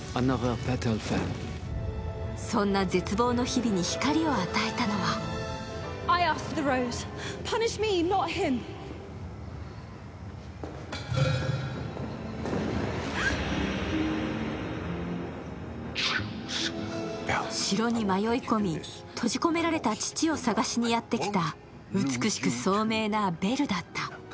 そんな絶望の日々に光を与えたのは城に迷い込み、閉じ込められた父を探しにやってきた美しく聡明なベルだった。